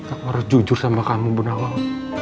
aku harus jujur sama kamu bu nawang